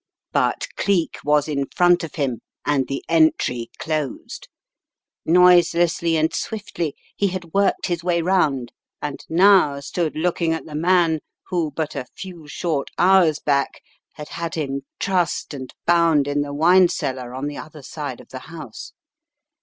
But Cleek was in front of him and the entry closed. 290 The Riddle of the Purple Emperor Noiselessly and swiftly he had worked his way round, and now stood looking at the man who but a few short hours back had had him trussed and bound in the wine cellar on the other side of the house.